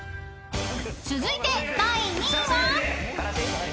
［続いて第２位は？］